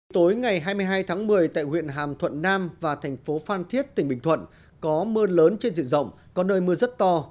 tối ngày hai mươi hai tháng một mươi tại huyện hàm thuận nam và thành phố phan thiết tỉnh bình thuận có mưa lớn trên diện rộng có nơi mưa rất to